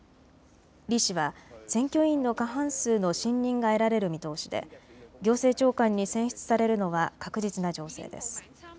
李氏は選挙委員の過半数の信任が得られる見通しで行政長官に選出されるのは確実な情勢です。